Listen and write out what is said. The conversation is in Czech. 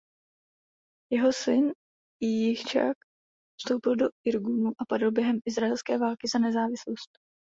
Jeho syn Jicchak vstoupil do Irgunu a padl během izraelské války za nezávislost.